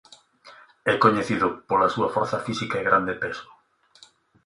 É coñecido pola súa forza física e grande peso.